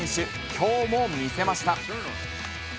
きょうも見せました。